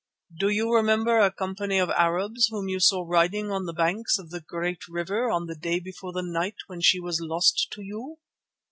Do you remember a company of Arabs whom you saw riding on the banks of the Great River on the day before the night when she was lost to you?